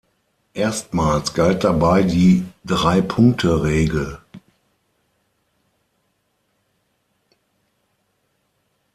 Erstmals galt dabei die Drei-Punkte-Regel.